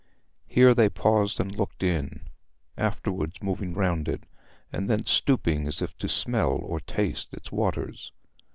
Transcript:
Here they paused and looked in, afterwards moving round it, and then stooping as if to smell or taste its waters.